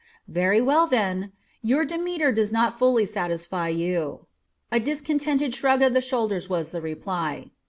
"Very well, then. Your Demeter does not fully satisfy you." A discontented shrug of the shoulders was the reply.